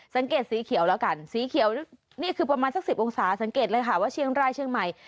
สังเกตสีเขียวแล้วกันสีเขียวนี่คือประมาณสัก๑๐องศาสังเกตเลยค่ะว่าเชียงรายเชียงใหม่